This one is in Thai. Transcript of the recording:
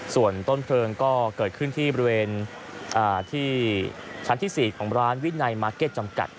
ส่วนต้นเพลิงก็เกิดขึ้นที่บริเวณที่ชั้นที่๔ของร้านวินัยมาร์เก็ตจำกัด